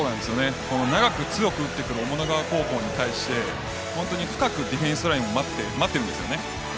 長く強く打ってくる雄物川高校に対して深くディフェンスラインを待っているんです。